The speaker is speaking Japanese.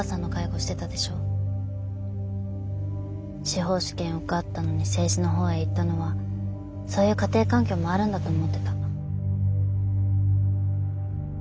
司法試験受かったのに政治の方へ行ったのはそういう家庭環境もあるんだと思ってた。